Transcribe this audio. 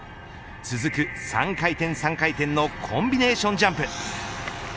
続く３回転３回転のコンビネーションジャンプ